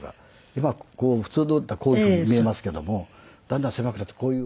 今こう普通だったらこういうふうに見えますけどもだんだん狭くなってこういう。